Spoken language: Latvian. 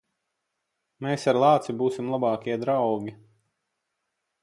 Mēs ar lāci būsim labākie draugi.